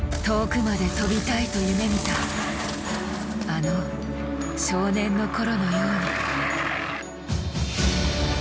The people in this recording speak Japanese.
遠くまで飛びたいと夢みたあの少年の頃のように。